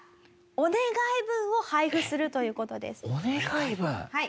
お願い文？